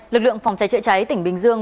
lực lượng phòng cháy chữa cháy tỉnh bình dương